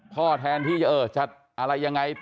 พ่อแทนที่จะเอ่ยอะไรยังไง